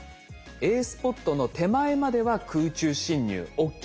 Ａスポットの手前までは空中侵入ＯＫ。